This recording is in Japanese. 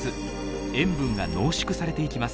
塩分が濃縮されていきます。